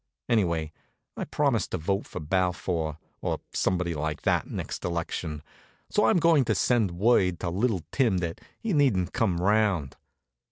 Anyway, I've promised to vote for Balfour, or somebody like that next election; so I'm goin' to send word to Little Tim that he needn't come around.